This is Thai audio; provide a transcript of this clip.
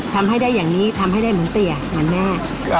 ทำให้ได้อย่างนี้ทำให้ได้เหมือนเตี๋ยเหมือนแม่